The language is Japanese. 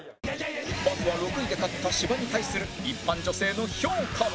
まずは６位で勝った芝に対する一般女性の評価は？